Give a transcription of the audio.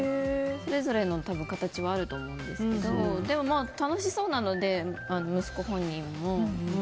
それぞれの形はあると思うんですけどでも楽しそうなので、息子本人も。